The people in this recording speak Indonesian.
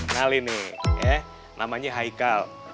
nah ini namanya haikal